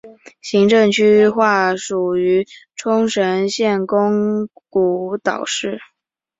行政区划属于冲绳县宫古岛市。